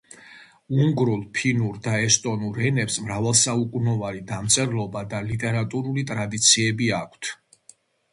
უნგრულ, ფინურ და ესტონურ ენებს მრავალსაუკუნოვანი დამწერლობა და ლიტერატურული ტრადიციები აქვთ.